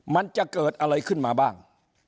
มันจะเกิดอะไรขึ้นมาบ้าง